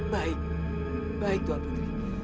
baik baik tuan putri